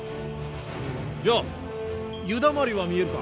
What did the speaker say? じゃあ湯だまりは見えるか？